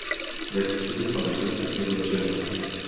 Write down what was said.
Ve středu a ve čtvrtek je zavřeno.